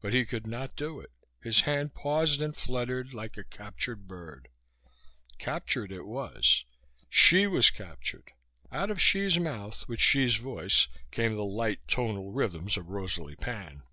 But he could not do it. His hand paused and fluttered, like a captured bird. Captured it was. Hsi was captured. Out of Hsi's mouth, with Hsi's voice, came the light, tonal rhythms of Rosalie Pan.